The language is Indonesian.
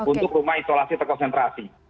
untuk rumah isolasi terkonsentrasi